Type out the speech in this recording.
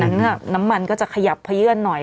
ดังนั้นน้ำมันก็จะขยับขยื่นหน่อย